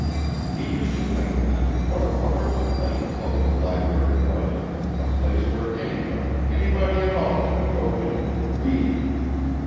He used to think then, what a wonderful thing a public library was, a place where anybody, anybody at all could go in and read.